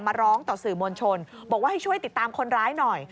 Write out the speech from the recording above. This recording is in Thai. ร้องต่อสื่อมวลชนบอกว่าให้ช่วยติดตามคนร้ายหน่อย